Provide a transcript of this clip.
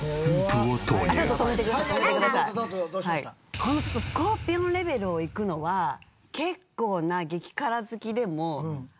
このスコーピオンレベルをいくのは結構な激辛好きでも。